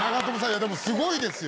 いやでもすごいですよ！